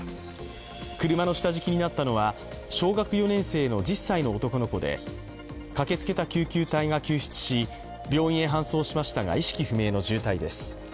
車の下敷きになったのは小学４年生の１０歳の男の子で、駆けつけた救急隊が救出し病院へ搬送しましたが意識不明の重体です。